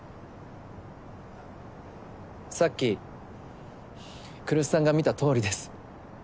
さっき来栖さんが見たとおりです。